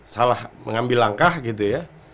salah mengambil langkah gitu ya